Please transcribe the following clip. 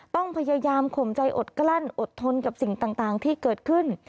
ต้องพยายามข่มใจอดกลั้นอดทนกับสิ่งต่างที่เกิดขึ้น